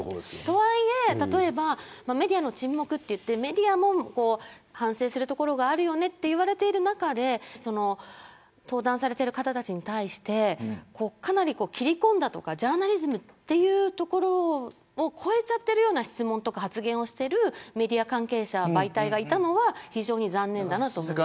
とはいえ、例えばメディアの沈黙といってメディアも反省するところがあるよねと言われている中で登壇されている方たちに対してかなり切り込んだとかジャーナリズムっていうところを超えているような質問とか発言をしているメディア関係者媒体がいたのは非常に残念だなと思います。